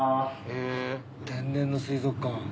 へぇ天然の水族館。